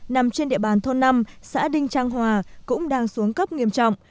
nằm trên địa bàn thôn năm xã đinh trang hòa cũng đang xuống cấp nghiêm trọng